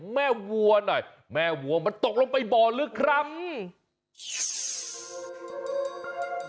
แม่วัวหน่อยแม่วัวมันตกลงไปบ่นหรือครั้ง